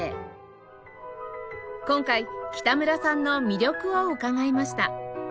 今回北村さんの魅力を伺いました